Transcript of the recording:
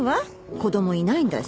子供いないんだし。